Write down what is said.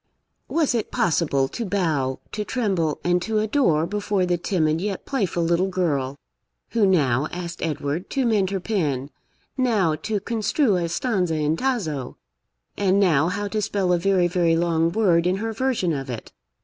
Was it possible to bow, to tremble, and to adore, before the timid, yet playful little girl, who now asked Edward to mend her pen, now to construe a stanza in Tasso, and now how to spell a very very long word in her version of it?